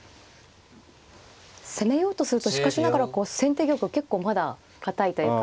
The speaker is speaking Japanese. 攻めようとするとしかしながら先手玉結構まだ堅いというか。